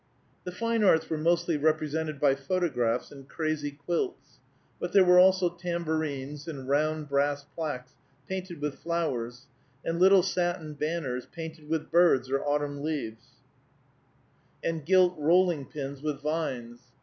The fine arts were mostly represented by photographs and crazy quilts; but there were also tambourines and round brass plaques painted with flowers, and little satin banners painted with birds or autumn leaves, and gilt rolling pins with vines.